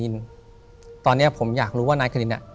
ถูกต้องไหมครับถูกต้องไหมครับ